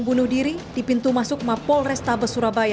bunuh diri di pintu masuk mapol restabes surabaya